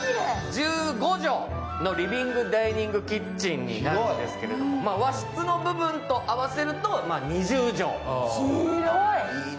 １５畳のリビングダイニングキッチンになっているんですけど、和室の部分と合わせると２０畳。